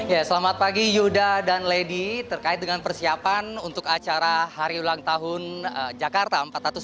ya selamat pagi yuda dan lady terkait dengan persiapan untuk acara hari ulang tahun jakarta empat ratus dua puluh